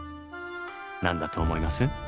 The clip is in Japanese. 何だと思います？